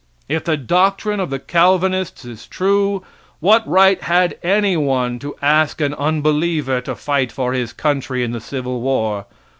If the doctrine of the Calvinists is true, what right had any one to ask an unbeliever to fight for his country in the civil war?